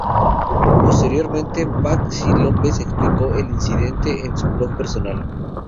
Posteriormente, Patxi López explicó el incidente en su blog personal.